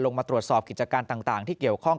ลงมาตรวจสอบกิจการต่างที่เกี่ยวข้อง